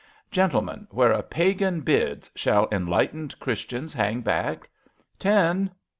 Gentlemen, where a Pagan bids shall enlightened Christians hang back! Ten!